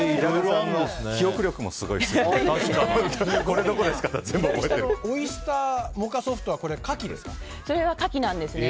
記憶力もすごいですね。